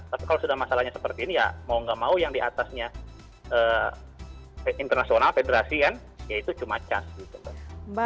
tapi kalau sudah masalahnya seperti ini ya mau nggak mau yang diatasnya internasional federasi kan ya itu cuma cas gitu kan